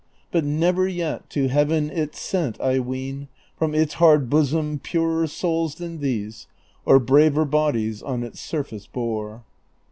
But never yet to Heaven it sent, I ween. From its hard bosom purer souls than these, Or braver bodies on its surface bore."